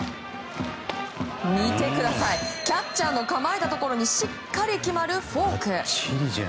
キャッチャーの構えたところにしっかり決まるフォーク。